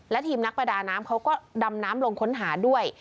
และทีมนักประดาน้ำเขาก็ดำน้ำลงค้นหาด้วย